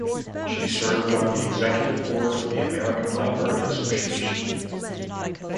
She served on the executive board of the American Library Association.